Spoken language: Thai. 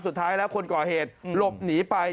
สุดท้ายแล้วคนก่อเหตุหลบหนีไป